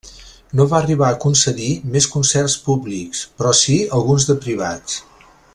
No va arribar a concedir més concerts públics, però si alguns de privats.